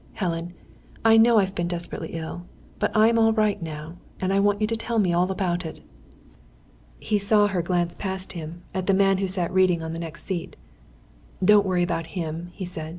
Helen, I know I've been desperately ill. But I'm all right now, and I want you to tell me all about it." He saw her glance past him, at the man who sat reading on the next seat. "Don't worry about him," he said.